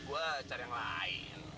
gue cari yang lain